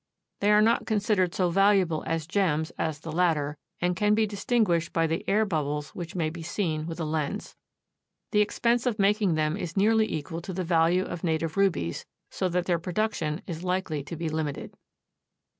They are not considered so valuable as gems as the latter, and can be distinguished by the air bubbles which may be seen with a lens. The expense of making them is nearly equal to the value of native rubies, so that their production is likely to be limited.